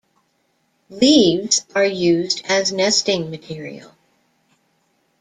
Leaves are used as nesting material.